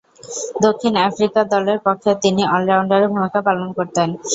দক্ষিণ আফ্রিকা দলের পক্ষে তিনি অল-রাউন্ডারের ভূমিকা পালন করতেন।